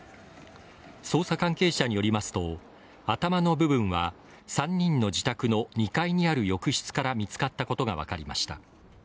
捜査関係者によりますと頭の部分は３人の自宅の２階にある浴室から見つかったことが分かりました